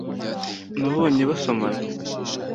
nabonye basomana